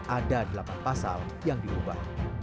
ada delapan pasal yang diubah